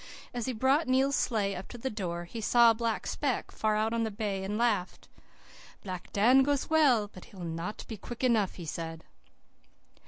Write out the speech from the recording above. As he brought Neil's sleigh up to the door he saw a black speck far out on the bay and laughed. "'Black Dan goes well, but he'll not be quick enough,' he said.